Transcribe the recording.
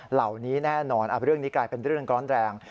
เหล่านี้แน่นอนเรื่องนี้กลายเป็นเรื่องร้อนแรง